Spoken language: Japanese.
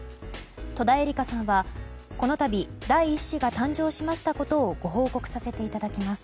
戸田恵梨香さんは、このたび第１子が誕生しましたことをご報告させていただきます。